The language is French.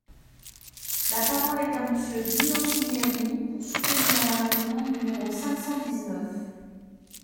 La parole est à Monsieur Dino Cinieri, pour soutenir l’amendement numéro cinq cent dix-neuf.